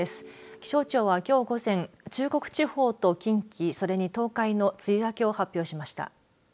気象庁は、きょう午前中国地方と近畿、それに東海の梅雨明けを発表しました。